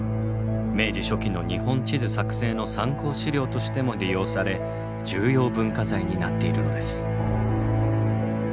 明治初期の日本地図作成の参考資料としても利用され重要文化財になっているのです。